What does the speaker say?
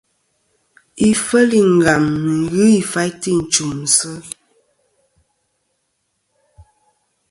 Ifel i Ngam nɨn ghɨ ifaytɨ i nchùmsɨ.